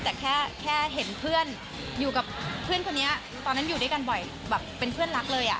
แต่แค่เห็นเพื่อนอยู่กับเพื่อนคนนี้ตอนนั้นอยู่ด้วยกันบ่อยแบบเป็นเพื่อนรักเลยอ่ะ